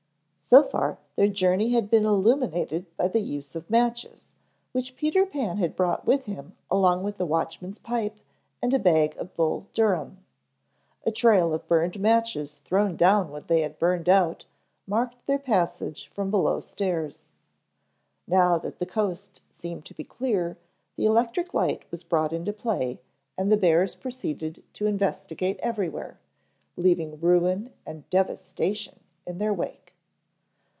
So far their journey had been illuminated by the use of matches, which Peter Pan had brought with him along with the watchman's pipe and a bag of Bull Durham. A trail of burned matches thrown down when they had burned out marked their passage from below stairs. Now that the coast seemed to be clear the electric light was brought into play and the bears proceeded to investigate everywhere, leaving ruin and devastation in their wake.